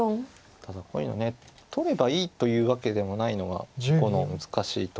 ただこういうの取ればいいというわけでもないのが碁の難しいところで。